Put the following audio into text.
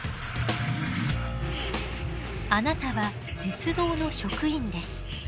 あなたは鉄道の職員です。